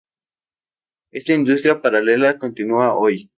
Esta industria paralela continúa hoy.